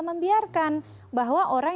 membiarkan bahwa orang